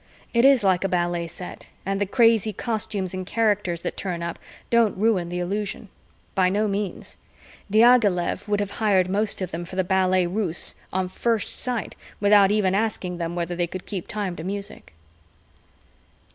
It is like a ballet set and the crazy costumes and characters that turn up don't ruin the illusion. By no means. Diaghilev would have hired most of them for the Ballet Russe on first sight, without even asking them whether they could keep time to music.